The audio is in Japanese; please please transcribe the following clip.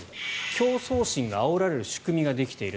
競争心があおられる仕組みができている。